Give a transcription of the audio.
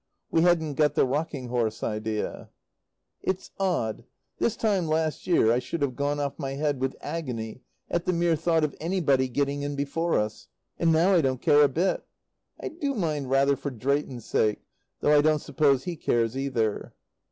We hadn't got the rocking horse idea. It's odd this time last year I should have gone off my head with agony at the mere thought of anybody getting in before us; and now I don't care a bit. I do mind rather for Drayton's sake, though I don't suppose he cares, either.